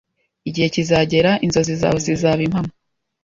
Igihe kizagera inzozi zawe zizaba impamo